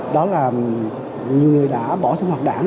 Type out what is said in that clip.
đó là nhiều người đã bỏ sinh hoạt đảng